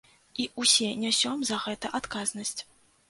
І ўсе нясём за гэта адказнасць.